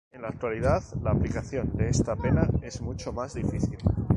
En la actualidad la aplicación de esta pena es mucho más difícil.